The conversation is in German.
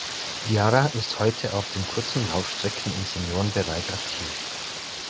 Diarra ist heute auf den kurzen Laufstrecken im Seniorenbereich aktiv.